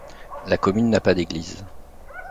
La commune n’a pas d’église.